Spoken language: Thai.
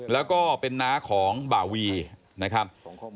แล้วก็เป็นน้าของบ่าวีนะครับ